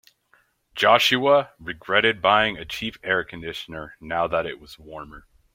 Joshua regretted buying a cheap air conditioner now that it was warmer.